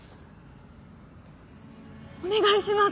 お願いします！